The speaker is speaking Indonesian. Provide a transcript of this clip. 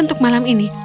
tentu malam ini